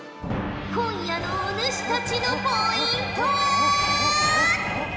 今夜のお主たちのポイントは。